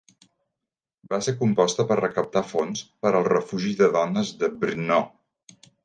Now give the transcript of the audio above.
Va ser composta per recaptar fons per al refugi de dones de Brno.